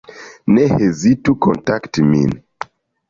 Ne hezitu kontakti min.